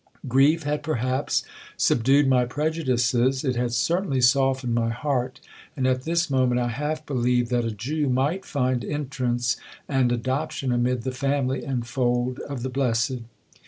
Grief had perhaps subdued my prejudices—it had certainly softened my heart—and at this moment I half believed that a Jew might find entrance and adoption amid the family and fold of the blessed.